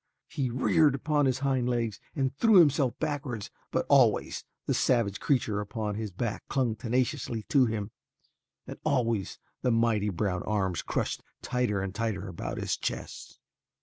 He reared upon his hind legs and threw himself backwards but always the savage creature upon his back clung tenaciously to him, and always the mighty brown arms crushed tighter and tighter about his chest.